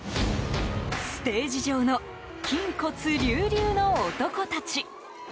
ステージ上の筋骨隆々の男たち。